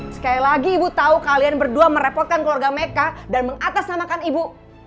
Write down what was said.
sekali lagi ibu tahu kalian berdua merepotkan keluarga mereka dan mengatasnamakan ibu